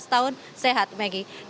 satu ratus sembilan belas tahun sehat maggie